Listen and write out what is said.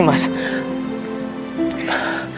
masa apa itu